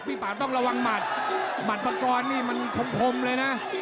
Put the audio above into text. พี่ปากต้องระวังมัดหมัดอากาศนี้มันพลมเลยนะ